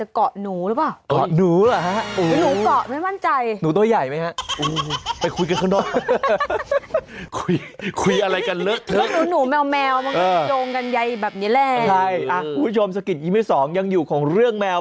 กันใหญ่แบบนี้แหละใช่อ่ะคุณผู้ชมสกินยี่หมี่สองยังอยู่ของเรื่องแมว